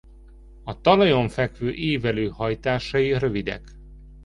A talajon fekvő évelő hajtásai rövidek.